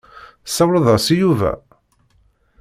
Tessawleḍ-as i Yuba?